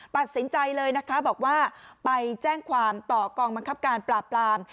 ตัดสินใจเลยนะคะบอกว่าไปแจ้งความต่อกองบังคับการปราบปราม